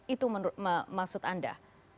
itu menurut maksud anda